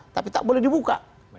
tapi tak boleh dibuka